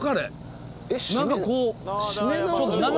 何かこう。